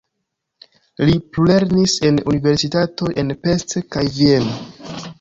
Li plulernis en universitatoj en Pest kaj Vieno.